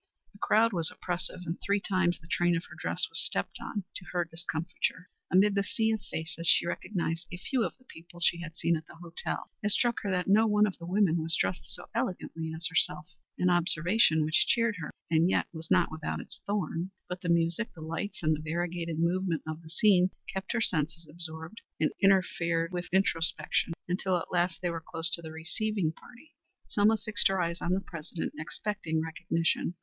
The crowd was oppressive, and three times the train of her dress was stepped on to her discomfiture. Amid the sea of faces she recognized a few of the people she had seen at the hotel. It struck her that no one of the women was dressed so elegantly as herself, an observation which cheered her and yet was not without its thorn. But the music, the lights, and the variegated movement of the scene kept her senses absorbed and interfered with introspection, until at last they were close to the receiving party. Selma fixed her eyes on the President, expecting recognition.